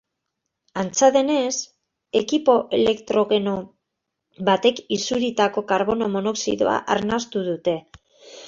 Antza denez, ekipo elektrogeno batek isuritako karbono monoxidoa arnastu dute.